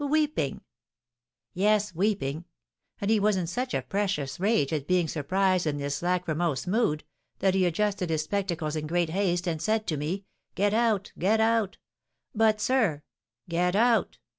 "Weeping?" "Yes, weeping. And he was in such a precious rage at being surprised in this lachrymose mood that he adjusted his spectacles in great haste, and said to me, 'Get out get out!' 'But, sir ' 'Get out!'